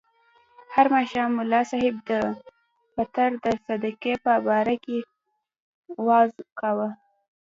هر ماښام ملا صاحب د فطر د صدقې په باره کې وعظ کاوه.